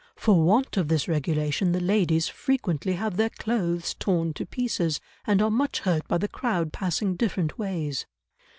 For want of this regulation the ladies frequently have their clothes torn to pieces, and are much hurt by the crowd passing different ways."